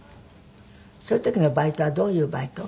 そういう時のバイトはどういうバイト？